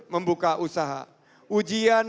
membuka usaha ujian